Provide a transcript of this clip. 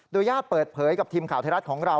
ญาติเปิดเผยกับทีมข่าวไทยรัฐของเรา